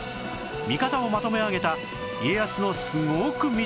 味方をまとめ上げた家康のすごく短い手紙とは？